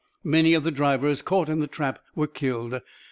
Many of the drivers, caught in the trap, were killed.